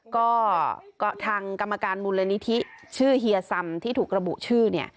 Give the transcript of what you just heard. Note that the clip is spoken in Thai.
ก็ทางกรรมการมูลนิธิชื่อเฮียซำที่ถูกระบุชื่อเนี่ย